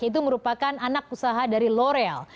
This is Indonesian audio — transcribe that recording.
itu merupakan anak usaha dari loreal